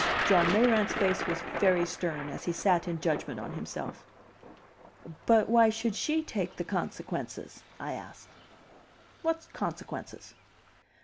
John Mayrant's face was very stern as he sat in judgment on himself. "But why should she take the consequences?" I asked. "What consequences?"